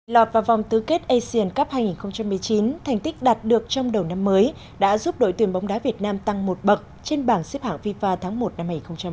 lọt vào vòng tứ kết asian cup hai nghìn một mươi chín thành tích đạt được trong đầu năm mới đã giúp đội tuyển bóng đá việt nam tăng một bậc trên bảng xếp hạng fifa tháng một năm hai nghìn một mươi chín